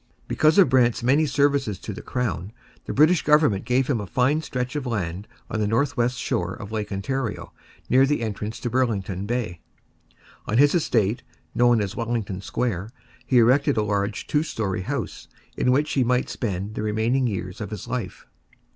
Because of Brant's many services to the crown, the British government gave him a fine stretch of land on the north west shore of Lake Ontario, near the entrance to Burlington Bay. On his estate, known as Wellington Square, he erected a large two storey house, in which he might spend the remaining years of his life.